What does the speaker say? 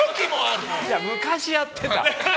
昔やってた。